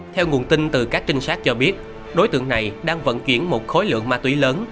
theo nguồn tin từ các trinh sát cho biết đối tượng này đang vận chuyển một khối lượng ma túy lớn